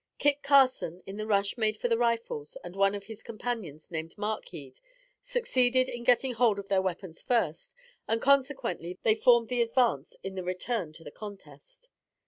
Kit Carson, in the rush made for the rifles, and one of his companions named Markhead, succeeded in getting hold of their weapons first; and consequently, they formed the advance in the return to the contest.